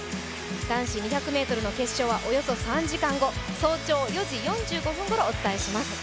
男子２００ｍの決勝はおよそ３時間後、早朝４時４５分ごろお伝えします。